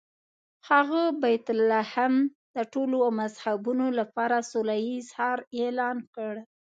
هغه بیت لحم د ټولو مذهبونو لپاره سوله ییز ښار اعلان کړ.